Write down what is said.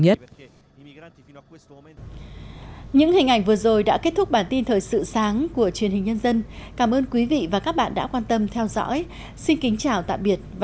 những hình ảnh vừa rồi đã kết thúc bản tin thời sự sáng của truyền hình nhân dân cảm ơn quý vị và các bạn đã quan tâm theo dõi xin kính chào tạm biệt và hẹn gặp